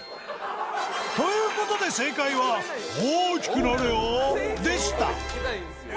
という事で正解は「大きくなれよ」でした